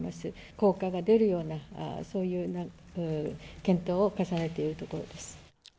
効果が出るような、そういう検討を重ねているところです。